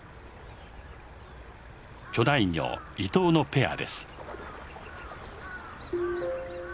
巨大魚イトウのペアです。